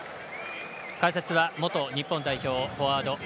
解説は元日本代表フォワード